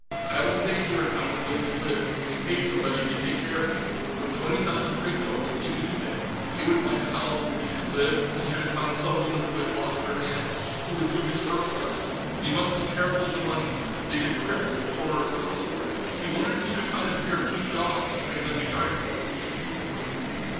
I will stay here and find a place to live, and pay somebody to take care of me...." With twenty thousand trade tokens, he could do that. It would buy a house in which he could live, and he could find some woman who had lost her man, who would do his work for him. But he must be careful of the money. Dig a crypt in the corner of his house for it. He wondered if he could find a pair of good dogs and train them to guard it for him....